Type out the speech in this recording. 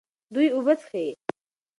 دوی اوبه څښي.